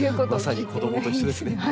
まさに子どもと一緒ですね。